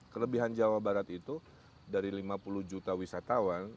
kelebihan jawa barat itu dari lima puluh juta wisatawan